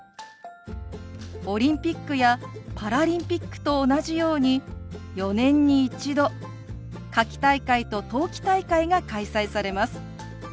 オリンピックやパラリンピックと同じように４年に１度夏季大会と冬季大会が開催されます。